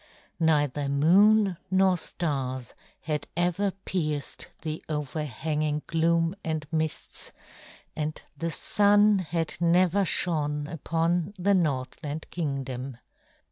Neither Moon nor Stars had ever pierced the overhanging gloom and mists, and the sun had never shone upon the Northland Kingdom.